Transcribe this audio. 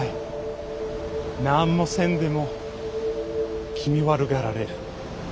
なーんもせんでも気味悪がられる！